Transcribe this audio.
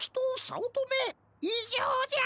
いじょうじゃ！